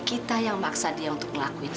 kita yang maksa dia untuk ngelakuin